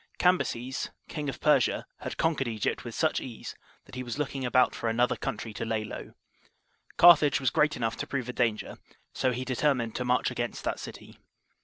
Cambyses, King of Persia, had conquered Egypt with such ease, that he was looking about for another country to lay low. Carthage was great enough to prove a danger, so he determined to march against that city.